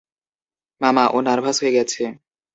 মামা, ও নার্ভাস হয়ে গেছে।